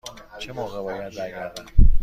چه موقع باید برگردم؟